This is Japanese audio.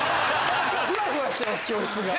ふわふわしてます教室が。